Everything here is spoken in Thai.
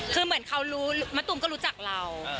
คือเหมือนเขารู้มะตูมก็รู้จักเรา